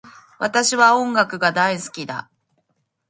私は音楽が大好きだ